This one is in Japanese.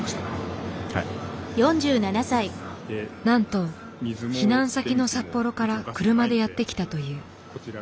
なんと避難先の札幌から車でやって来たという。